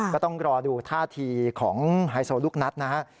ก็ต้องรอดูท่าทีของไฮโซลูกนัดนะฮะ